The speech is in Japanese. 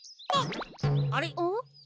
あれ？